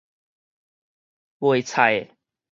賣菜的